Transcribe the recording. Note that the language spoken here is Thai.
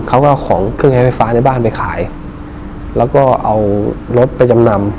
เขาก็เอาของเครื่องใช้ไฟฟ้าในบ้านไปขายแล้วก็เอารถไปจำนำ